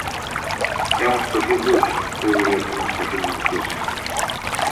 É unha situación dura, eu diría que unha situación angustiosa.